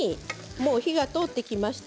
もう火が通ってきました。